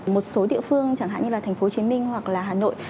một số địa phương chẳng hạn như là thành phố hồ chí minh hoặc là hà nội